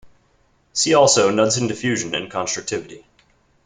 See also Knudsen diffusion and constrictivity.